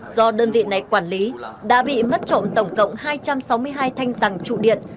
do đơn vị này quản lý đã bị mất trộm tổng cộng hai trăm sáu mươi hai thanh rằng trụ điện